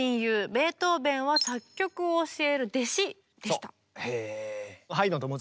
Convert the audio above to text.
ベートーベンは作曲を教える弟子でした。